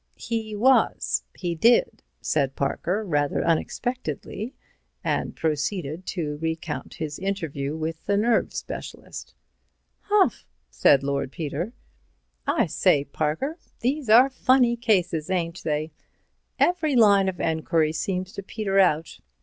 "He was; he did," said Parker, rather unexpectedly, and proceeded to recount his interview with the nerve specialist. "Humph!" said Lord Peter. "I say, Parker, these are funny cases, ain't they? Every line of enquiry seems to peter out.